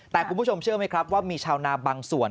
แต่คุณผู้ชมเชื่อไหมครับว่ามีชาวนาบางส่วน